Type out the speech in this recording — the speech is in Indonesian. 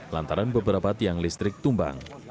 lantaran beberapa tiang listrik tumbang